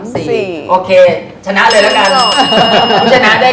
พี่ทีครับจากภาพกรมชาติ